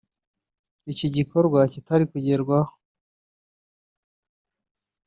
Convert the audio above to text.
iki gikorwa kitari kugerwaho